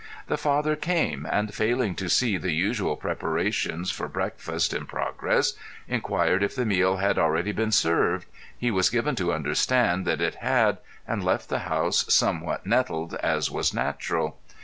The father came and failing to see the usual preparations for breakfast in progress inquired if the meal had already been served, he was given to understand that it had and left the house somewhat nettled as was natural.